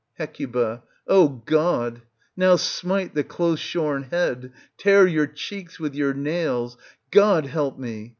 Hec. O God ! Now smite the close shorn head ! tear your cheeks with your nails. God help me